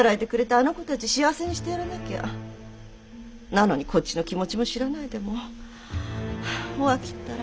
なのにこっちの気持ちも知らないでもうお秋ったら。